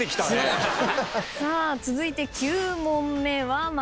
さあ続いて９問目は益子さん。